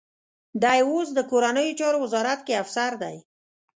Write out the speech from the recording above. دی اوس د کورنیو چارو وزارت کې افسر دی.